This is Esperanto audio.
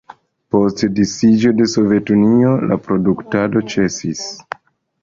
Post disiĝo de Sovetunio, la produktado ĉesis.